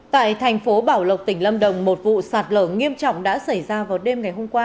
tại thành phố bảo lộc tỉnh lâm đồng một vụ sạt lở nghiêm trọng đã xảy ra vào đêm ngày hôm qua